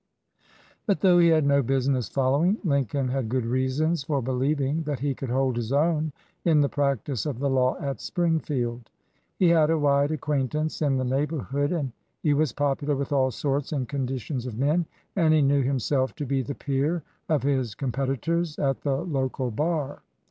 But though he had no business following, Lincoln had good reasons for believing that he could hold his own in the practice of the law at Springfield. He had a wide acquaintance in the neighborhood, he was popular with all sorts and conditions of men, and he knew himself to be the peer of his competitors at the local bar.